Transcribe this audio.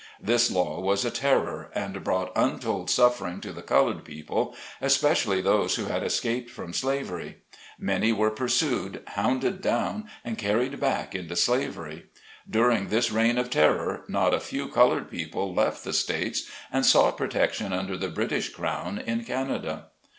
This law was a terror, and brought untold suffering to the colored people, especially those who had escaped from slavery. Many were pursued, hounded down, and carried back into slavery. During this reign of terror, not a few colored people left the States and sought protection under the British Crown, in Canada.